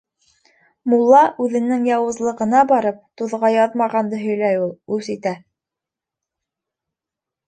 Мулла, үҙенең яуызлығына барып, туҙға яҙмағанды һөйләй ул, үс итә.